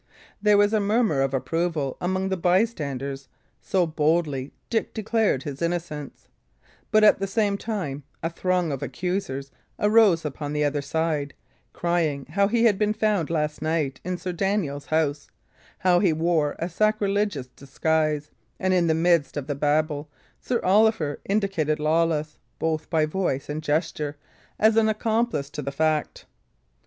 There was a murmur of approval among the bystanders, so boldly Dick declared his innocence; but at the same time a throng of accusers arose upon the other side, crying how he had been found last night in Sir Daniel's house, how he wore a sacrilegious disguise; and in the midst of the babel, Sir Oliver indicated Lawless, both by voice and gesture, as accomplice to the fact.